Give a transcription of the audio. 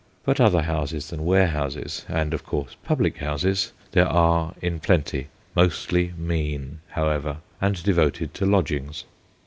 But other houses than warehouses and of course public houses there are in plenty, mostly mean, however, and devoted to lodgings.